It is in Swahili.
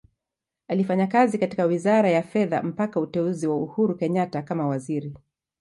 Alifanya kazi katika Wizara ya Fedha mpaka uteuzi wa Uhuru Kenyatta kama Waziri.